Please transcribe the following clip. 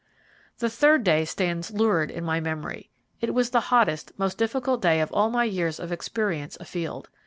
The third day stands lurid in my memory. It was the hottest, most difficult day of all my years of experience afield.